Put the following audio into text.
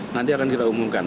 nanti akan kita umumkan